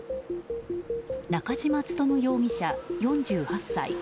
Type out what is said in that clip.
中嶋勉容疑者、４８歳。